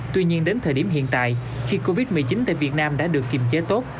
tuy nhiên đến thời điểm hiện tại khi covid một mươi chín tại việt nam đã được kiềm chế tốt